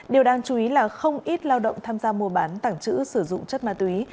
điều đáng chú ý là không ít lao động tham gia mua bán tảng trữ sử dụng chất ma túy